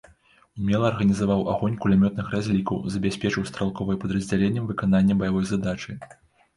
Умела арганізаваў агонь кулямётных разлікаў, забяспечыў стралковай падраздзяленням выкананне баявой задачы.